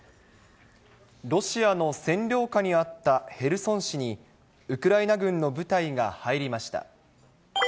ロシアの占領下にあったヘルソン市に、ウクライナ軍の部隊が入りました。